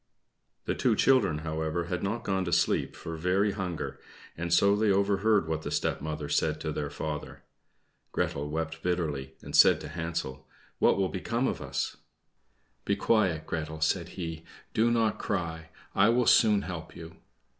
The two children, however, had not gone to sleep for very hunger, and so they overheard what the stepmother said to their father. Gretel wept bitterly, and said to Hansel, "What will become of us?" "Be quiet, Gretel," said he. "Do not cry I will soon help you."